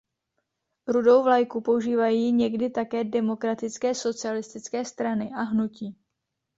Rudou vlajku používají někdy také demokratické socialistické strany a hnutí.